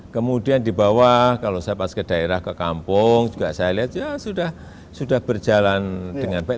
kemudian di bawah kalau saya pas ke daerah ke kampung juga saya lihat ya sudah berjalan dengan baik